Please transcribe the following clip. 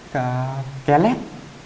cả kẻ lét